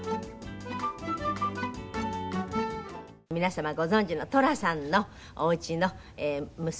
皆様ご存じの寅さんのおうちの娘の。